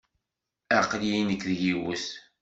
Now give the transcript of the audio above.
Aql-iyi nekk d yiwet.